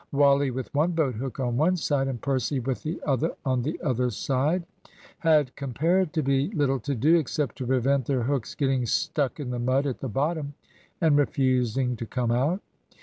Wally with one boat book on one side, and Percy with the other on the other side, had comparatively little to do except to prevent their hooks getting stuck in the mud at the bottom, and refusing to come out.